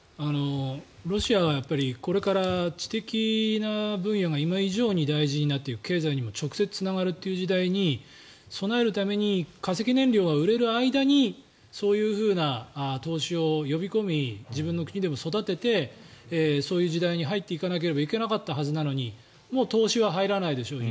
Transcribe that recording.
ロシアはこれから知的な分野が今以上に大事になっていく経済にも直接つながるという時代に備えるために化石燃料が売れる間にそういうふうな投資を呼び込み自分の国でも育ててそういう時代に入っていかなきゃいけなかったはずなのにもう投資は入らないでしょう